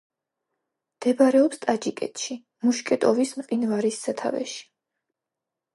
მდებარეობს ტაჯიკეთში, მუშკეტოვის მყინვარის სათავეში.